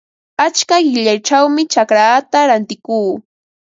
Achka qillayćhawmi chacraata rantikuu.